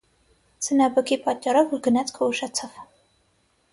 Ձնաբքի պատճառով գնացքը ուշացավ։